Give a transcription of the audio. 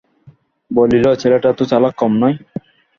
বলিল, ছেলেটা তো চালাক কম নয়!